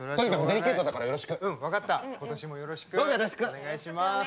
お願いします。